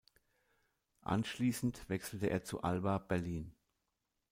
Anschließend wechselte er zu Alba Berlin.